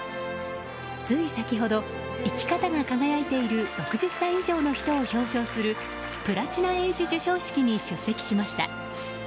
つい先ほど、生き方が輝いている６０歳以上の人を表彰するプラチナエイジ授賞式に出席しました。